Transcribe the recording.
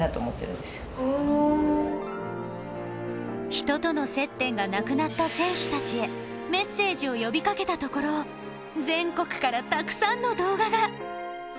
人との接点がなくなった選手たちへメッセージを呼びかけたところ全国から、たくさんの動画が。